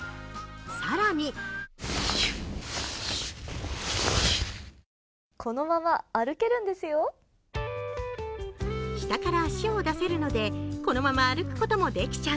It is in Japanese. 更に下から足を出せるのでこのまま歩くこともできちゃう。